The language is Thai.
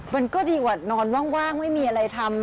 มันก็ดีกว่านอนว่างไม่มีอะไรทำ